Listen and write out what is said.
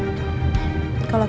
aku pasti akan ikut